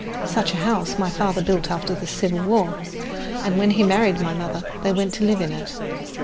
Such a house my father built after the Civil War, and when he married my mother they went to live in it.